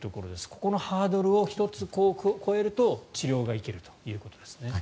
ここのハードルを１つ超えると治療がいけるということですね。